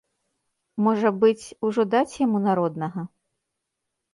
Можа быць, ужо даць яму народнага?